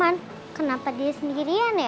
kayman kenapa dia sendirian ya